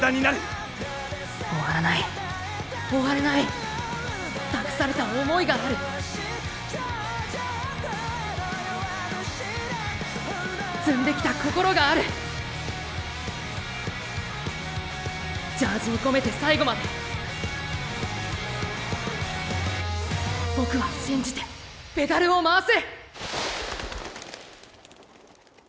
終わらない終われない託された想いがある積んできた心があるジャージに込めて最後までボクは信じてペダルを回す！